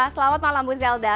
selamat malam bu zelda